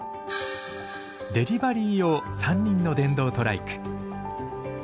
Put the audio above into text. デリバリー用３輪の電動トライク。